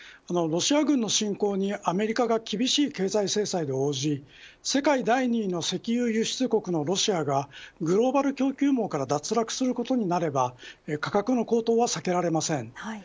ロシア軍の侵攻にアメリカが厳しい経済制裁で応じ世界第２位の石油輸出国のロシアがグローバル供給網から脱落することになれば価格の高騰は避けられません。